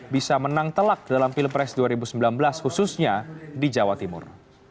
bisa menang telak dalam pilpres dua ribu sembilan belas khususnya di jawa timur